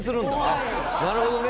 あっなるほどね。